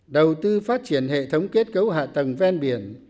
đầu tư phát triển hệ thống kết cấu hạ tầng ven biển